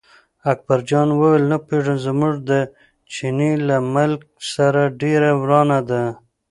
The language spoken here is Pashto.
اکبرجان وویل نه پوهېږم، زموږ د چیني له ملک سره ډېره ورانه ده.